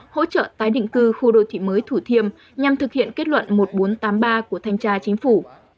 hỗ trợ tái định cư khu đô thị mới thủ thiêm nhằm thực hiện kết luận một nghìn bốn trăm tám mươi ba của thanh tra chính phủ